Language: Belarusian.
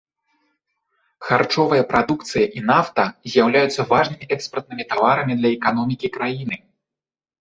Харчовая прадукцыя і нафта з'яўляюцца важнымі экспартнымі таварамі для эканомікі краіны.